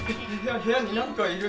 部屋になんかいる！